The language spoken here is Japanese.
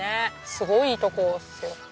すごいいい所っすよ。